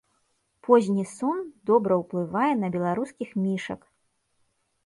Позні сон добра ўплывае на беларускіх мішак.